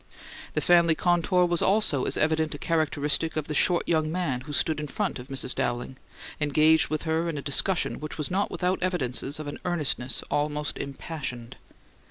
The family contour was also as evident a characteristic of the short young man who stood in front of Mrs. Dowling, engaged with her in a discussion which was not without evidences of an earnestness almost impassioned.